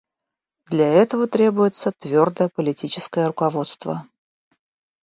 Для этого требуется твердое политическое руководство.